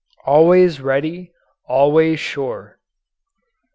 Always ready, always sure.